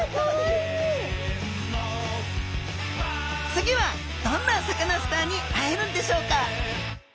次はどんなサカナスターに会えるんでしょうか？